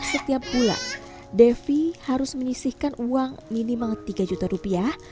setiap bulan devi harus menyisihkan uang minimal tiga juta rupiah